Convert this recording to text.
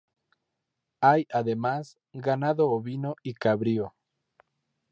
Hay, además, ganado ovino y cabrío.